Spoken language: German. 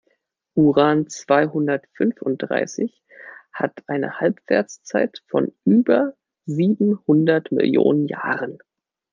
Uran-zweihundertfünfunddreißig hat eine Halbwertszeit von über siebenhundert Millionen Jahren.